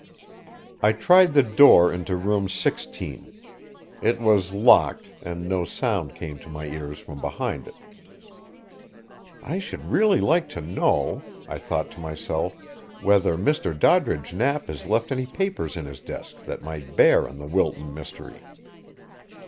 I tried the door into Room 16. It was locked, and no sound came to my ears from behind it. "I should really like to know," I thought to myself, "whether Mr. Doddridge Knapp has left any papers in his desk that might bear on the Wilton mystery."